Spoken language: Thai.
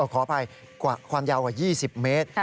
ขออภัยความยาวกว่า๒๐เมตร